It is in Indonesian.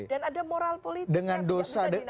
dan ada moral politik